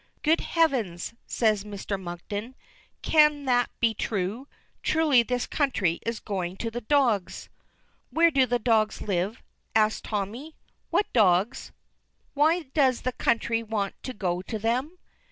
"Good heavens!" says Mr. Monkton. "Can that be true? Truly this country is going to the dogs." "Where do the dogs live?" asks Tommy, "What dogs? Why does the country want to go to them?"